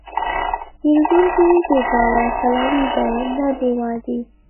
پیرودونکی د باور پلوي دی، نه د وعدې.